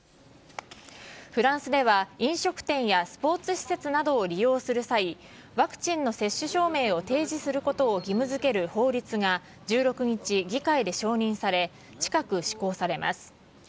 フランスでは飲食店やスポーツ施設などを利用する際、ワクチンの接種証明を提示することを義務づける法律が１６日、議会で承認され、近く、施行されます。